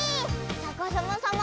さかさまさま